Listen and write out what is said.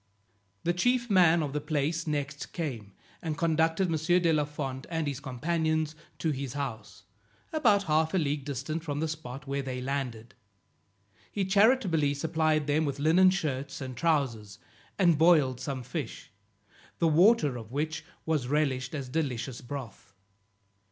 The chief man of the place next came, and conducted M. de la Fond and his companions to his house, about a half a league distant from the spot where they landed. He charitably supplied them with linen shirts and trowsers, and boiled some fish, the water of which was relished as delicious broth.